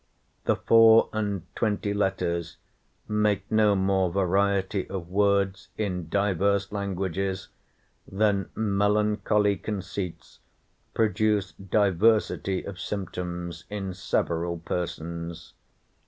The four and twenty letters make no more variety of words in divers languages, than melancholy conceits produce diversity of symptoms in several persons.